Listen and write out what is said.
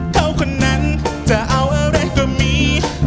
เขาคนนั้นจะเอาอะไรก็มี